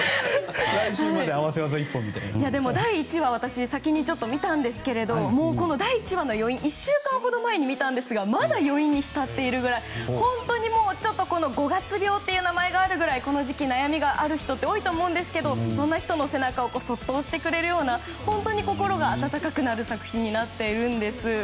第１話を私、先に見たんですけど１週間ほど前に見たんですがまだ余韻に浸っているくらい本当に５月病という名前があるくらいこの時期、悩みがある人多いと思うんですがそんな人の背中をそっと押してくれるような本当に心が温かくなる作品になっています。